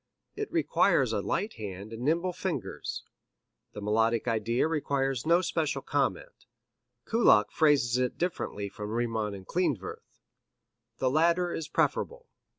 It requires a light hand and nimble fingers. The melodic idea requires no special comment. Kullak phrases it differently from Riemann and Klindworth. The latter is the preferable.